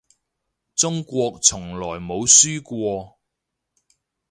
中國從來冇輸過